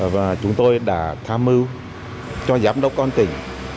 và chúng tôi đã tham mưu cho giám đốc công an tỉnh